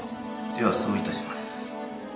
ではそう致します。